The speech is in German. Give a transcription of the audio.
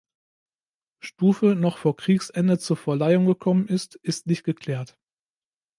Stufe noch vor Kriegsende zur Verleihung gekommen sind, ist nicht geklärt.